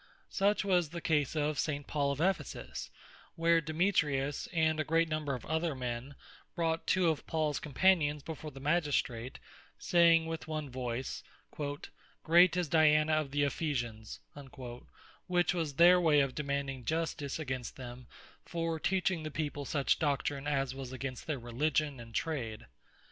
Such was the case of St. Paul at Ephesus; where Demetrius, and a great number of other men, brought two of Pauls companions before the Magistrate, saying with one Voyce, "Great is Diana of the Ephesians;" which was their way of demanding Justice against them for teaching the people such doctrine, as was against their Religion, and Trade.